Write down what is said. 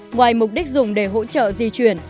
ngoài mục đích dùng để hỗ trợ di chuyển